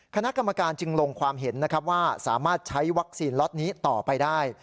คณะกรรมการจึงลงความเห็นนะครับว่าสามารถใช้วัคซีนล็อตนี้ต่อไปได้